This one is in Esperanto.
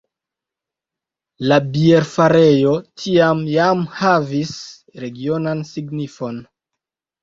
La bierfarejo tiam jam havis regionan signifon.